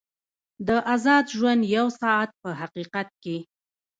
د ازاد ژوند یو ساعت په حقیقت کې.